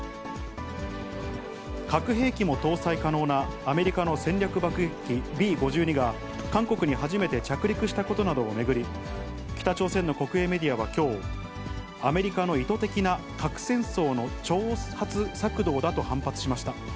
核兵器も搭載可能なアメリカの戦略爆撃機Ｂ５２が、韓国に初めて着陸したことなどを巡り、北朝鮮の国営メディアはきょう、アメリカの意図的な核戦争の挑発策動だと反発しました。